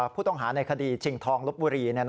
ผู้ต้องหาในคดีชิงทองลบบุรี